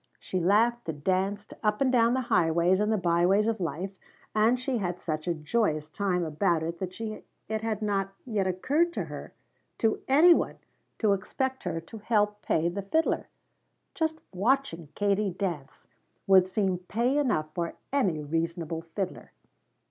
She laughed and danced up and down the highways and the byways of life and she had such a joyous time about it that it had not yet occurred to any one to expect her to help pay the fiddler. Just watching Katie dance would seem pay enough for any reasonable fiddler.